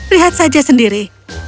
lihat saja sendiri